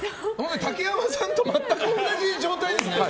竹山さんと全く同じ状態ですね。